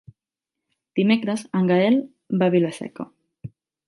Dimecres en Gaël va a Vila-seca.